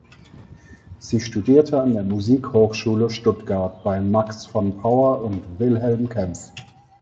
Sie studierte an der Musikhochschule Stuttgart bei Max von Pauer und Wilhelm Kempff.